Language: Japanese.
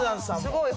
すごい。